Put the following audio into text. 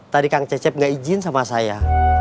tadi kang cecep nggak izin sama saya